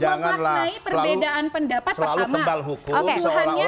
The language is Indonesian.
bagaimana pimpinan sebuah partai politik memaknai perbedaan pendapat pertama